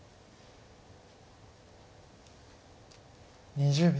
２０秒。